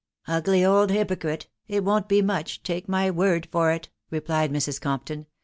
" Ugly old hypocrite ! it won't be much, take my word for it/' replied Mr*. Compton.